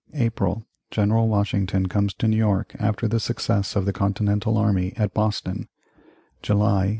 April. General Washington comes to New York after the success of the Continental army at Boston July.